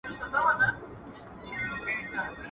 خلک د موبایل له لارې خبرونه لولي